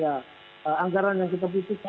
kita akan menjalankan penanganan dbd secara keseluruhan